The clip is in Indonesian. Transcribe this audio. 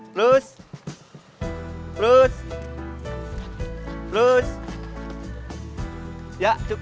kang cecep pergi sama kang ujang sama kang murad